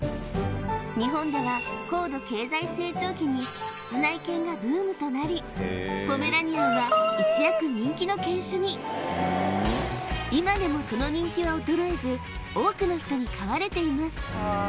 日本では高度経済成長期に室内犬がブームとなりポメラニアンは一躍人気の犬種に今でもその人気は衰えず多くの人に飼われています